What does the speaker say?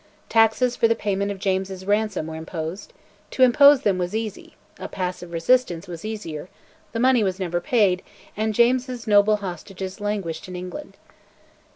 Taxes for the payment of James's ransom were imposed; to impose them was easy, "passive resistance" was easier; the money was never paid, and James's noble hostages languished in England.